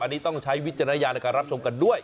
อันนี้ต้องใช้วิจารณญาณในการรับชมกันด้วย